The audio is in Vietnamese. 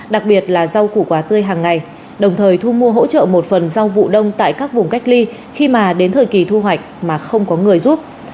đồng thời thu mua hỗ trợ một phần rau vụ đông tại các vùng cách ly khi mà đến thời kỳ thu hoạch mà không có người giúp